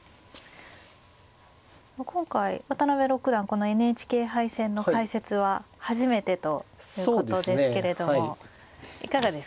今回渡辺六段このＮＨＫ杯戦の解説は初めてということですけれどもいかがですか？